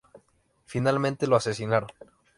Finalmente lo asesinaron.